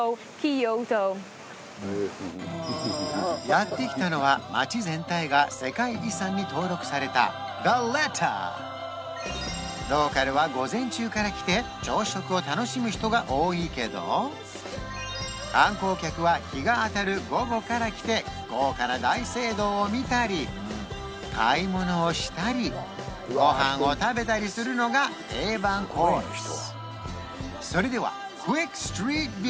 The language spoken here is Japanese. やって来たのは街全体が世界遺産に登録されたヴァレッタローカルは午前中から来て朝食を楽しむ人が多いけど観光客は日が当たる午後から来て豪華な大聖堂を見たり買い物をしたりご飯を食べたりするのが定番コース